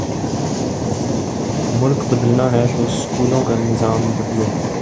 ملک بدلنا ہے تو سکولوں کا نظام بدلو۔